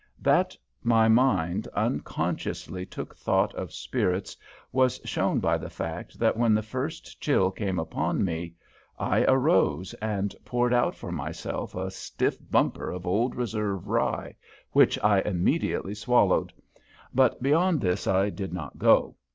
That my mind unconsciously took thought of spirits was shown by the fact that when the first chill came upon me I arose and poured out for myself a stiff bumper of old Reserve Rye, which I immediately swallowed; but beyond this I did not go.